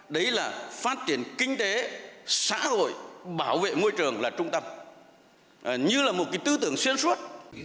đấy là phát triển kinh tế xã hội bảo vệ môi trường là trung tâm như là một cái tư tưởng xuyên suốt